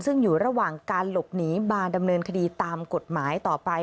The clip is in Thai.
ซึ่งอยู่ระหว่างการหลบหนีมาดำเนินคดีตามกฎหมายต่อไป